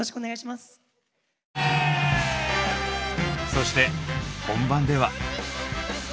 そして本番では。